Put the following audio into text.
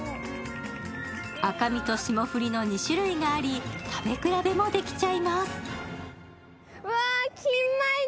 赤身と霜降りの２種類があり食べ比べもできちゃいます。